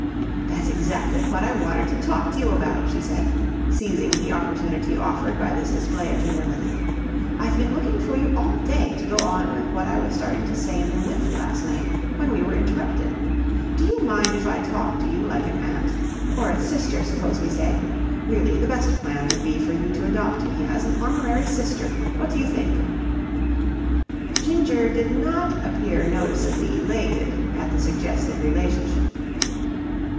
"That's exactly what I wanted to talk to you about," she said, seizing the opportunity offered by this display of humility. "I've been looking for you all day to go on with what I was starting to say in the lift last night when we were interrupted. Do you mind if I talk to you like an aunt or a sister, suppose we say? Really, the best plan would be for you to adopt me as an honorary sister. What do you think?" Ginger did not appear noticeably elated at the suggested relationship.